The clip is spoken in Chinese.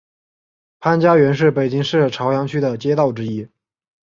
潘家园是北京市朝阳区的街道之一。